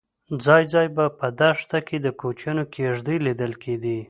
ځای ځای به په دښته کې د کوچیانو کېږدۍ لیدل کېدې.